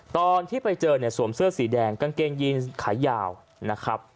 ตอนที่ไปเจอเนี่ยสวมเสื้อสีแดงกางเกงยีนขายาวนะครับ